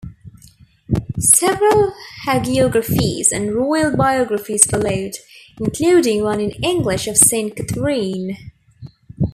Several hagiographies and royal biographies followed, including one in English of Saint Katharine.